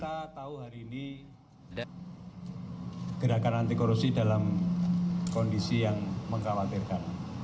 kita tahu hari ini gerakan anti korupsi dalam kondisi yang mengkhawatirkan